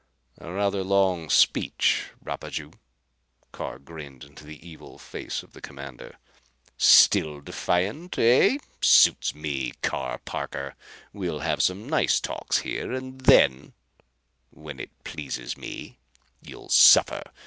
"A rather long speech, Rapaju." Carr grinned into the evil face of the commander. "Still defiant, eh? Suits me, Carr Parker. We'll have some nice talks here, and then when it pleases me you'll suffer.